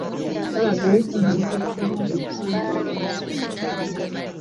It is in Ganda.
Kalaga ebifaananyi nga bwe tubiraba ensangi zino